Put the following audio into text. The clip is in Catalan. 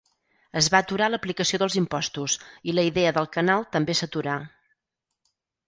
Es va aturar l'aplicació dels impostos i la idea del Canal també s'aturà.